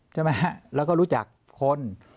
ใช่ไหมฮะแล้วก็รู้จักคน